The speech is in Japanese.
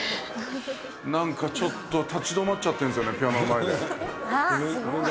なんかちょっと立ち止まっちゃってるんですよね、ピアノの前で。